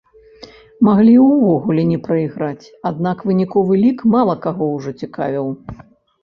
Маглі ўвогуле не прайграць, аднак выніковы лік, мала каго ўжо цікавіў.